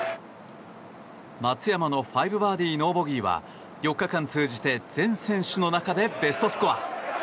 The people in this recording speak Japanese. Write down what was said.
松山の５バーディーノーボギーは４日間通じて全選手の中でベストスコア。